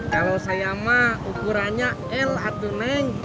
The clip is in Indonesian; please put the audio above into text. kalau saya mah ukurannya el atuh neng